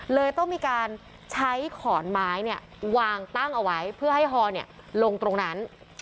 เลยต้องมีการใช้ขอนไม้วางตั้งเอาไว้เพื่อให้ฮอลงตรงนั้น